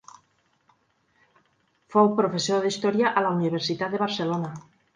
Fou professor d'història a la Universitat de Barcelona.